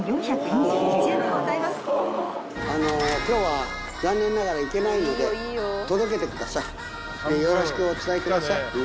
今日は残念ながら行けないので届けてください。